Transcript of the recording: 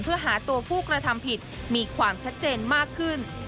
เพื่อหาตัวผู้กระทำผิดมีความชัดเจนมากขึ้น